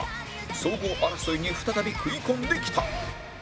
総合争いに再び食い込んできた